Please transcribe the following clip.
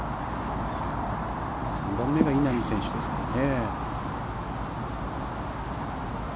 ３番目が稲見選手ですからね。